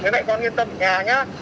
mấy mẹ con yên tâm ở nhà nhé